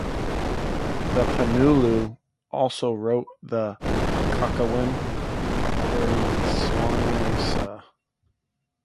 Panuluh also wrote the Kakawin Hariwangsa.